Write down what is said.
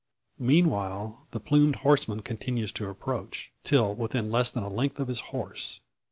Meanwhile the plumed horseman continues to approach, till within less than a length of his horse.